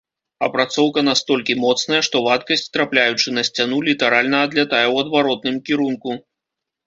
Апрацоўка настолькі моцная, што вадкасць, трапляючы на сцяну, літаральна адлятае ў адваротным кірунку.